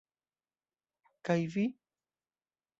Kaj vi..?